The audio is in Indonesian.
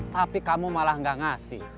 tapi kamu malah gak ngasih